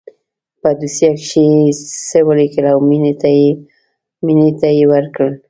په دوسيه کښې يې څه وليکل او مينې ته يې ورکړه.